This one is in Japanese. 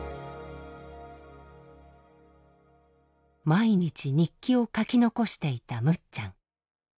毎日日記を書き残していたむっちゃん。